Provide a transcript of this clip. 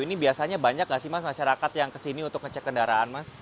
ini biasanya banyak nggak sih mas masyarakat yang kesini untuk ngecek kendaraan mas